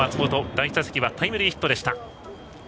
第１打席はタイムリーヒット。